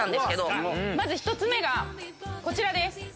１つ目がこちらです。